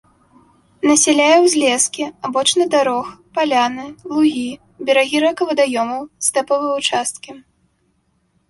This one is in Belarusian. Насяляе узлескі, абочыны дарог, паляны, лугі, берагі рэк і вадаёмаў, стэпавыя ўчасткі.